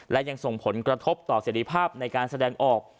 และยังส่งผลกระทบต่อเสรีภาพในการแสดงออก